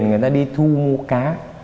người ta đi thu mua cá